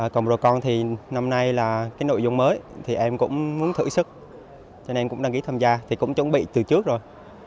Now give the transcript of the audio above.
còn procon thì năm nay là cái nội dung mới thì em cũng muốn thử sức cho nên em cũng đăng ký tham gia thì cũng chuẩn bị từ trước rồi